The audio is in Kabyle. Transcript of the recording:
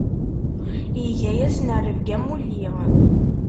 Iga-asen rebg am wulli.